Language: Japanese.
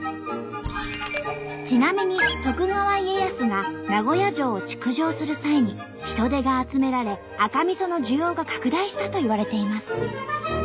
ちなみに徳川家康が名古屋城を築城する際に人手が集められ赤みその需要が拡大したといわれています。